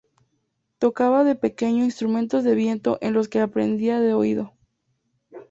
Tocaba de pequeño instrumentos de viento en los que aprendía de oído.